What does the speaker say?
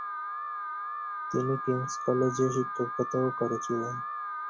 তিনি কিংস কলেজে শিক্ষকতাও করেছিলেন।